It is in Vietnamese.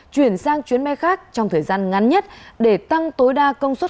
chuyển sang chuyến bay khác trong thời gian ngắn nhất để tăng tối đa công suất